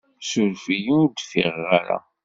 Sureft-iyi ur d-fiɣeɣ ara.